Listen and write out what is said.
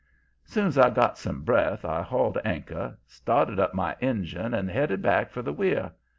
"Soon's I got some breath I hauled anchor, started up my engine and headed back for the weir.